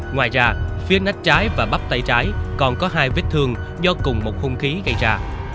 ngoài ra phía nách trái và bắp tay trái còn có hai vết thương do cùng một khung khí gây ra